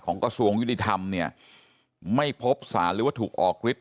กระทรวงยุติธรรมเนี่ยไม่พบสารหรือว่าถูกออกฤทธ